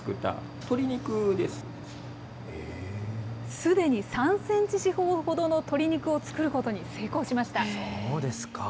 すでに３センチ四方ほどの鶏肉を作ることに成功しました。